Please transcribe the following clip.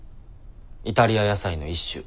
イタリア野菜の一種。